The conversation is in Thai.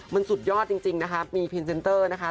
มันสุดยอดจริงนะคะมีพรีเซนเตอร์นะคะ